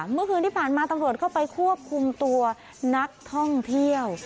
เมื่อคืนที่ผ่านมาตำรวจเข้าไปควบคุมตัวนักท่องเที่ยว